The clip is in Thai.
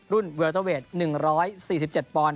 รุ่นเวอร์เตอร์เวท๑๔๗ปอนด์